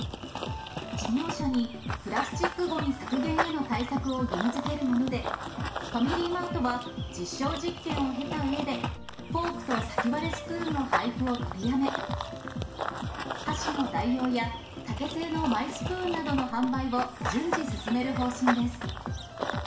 事業者にプラスチックごみ削減への対策を義務づけるもので、ファミリーマートは実証実験を経たうえで、フォークと先割れスプーンの配布を取りやめ、箸の代用や、竹製のマイスプーンなどの販売を順次、進める方針です。